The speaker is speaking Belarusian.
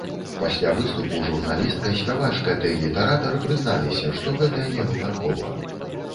Пасля выступу журналістка, спявачка ды літаратар прызналася, што гэта не выпадкова.